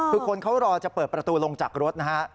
คือคนเขารอจะเปิดประตูลงจากรถนะฮะ